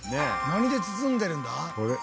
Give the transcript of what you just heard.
何で包んでるんだ？